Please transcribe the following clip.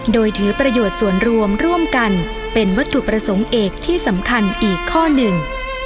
โดยถือประโยชน์ส่วนรวมร่วมกันเป็นวัตถุประสงค์เอกที่สำคัญอีกข้อหนึ่ง